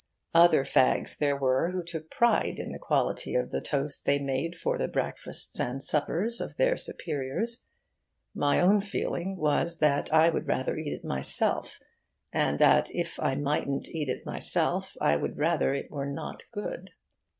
Other fags there were who took pride in the quality of the toast they made for the breakfasts and suppers of their superiors. My own feeling was that I would rather eat it myself, and that if I mightn't eat it myself I would rather it were not very good.